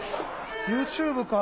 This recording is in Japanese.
ＹｏｕＴｕｂｅか。